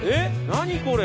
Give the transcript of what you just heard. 何これ。